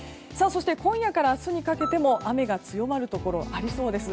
今夜から明日にかけても雨が強まるところがありそうです。